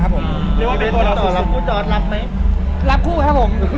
คู่จอสรับไหม